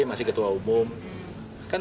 masih ketua umum kan